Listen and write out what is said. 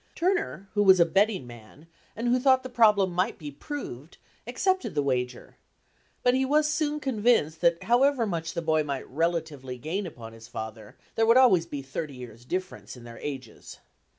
Turner, who was a betting man, and who thought the problem might be proved, accepted the wager; but he was soon convinced that however much the boy might relatively gain upon his father, there would always be thirty years difference in their ages.